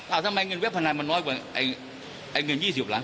ทำไมเงินเว็บพนันมันน้อยกว่าไอ้เงิน๒๐ล้าน